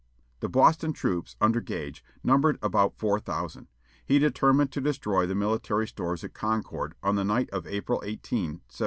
The Boston troops, under Gage, numbered about four thousand. He determined to destroy the military stores at Concord, on the night of April 18, 1775.